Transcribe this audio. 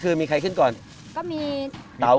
แล้วก็มีพี่ชัยโยแล้วก็มีลำยอง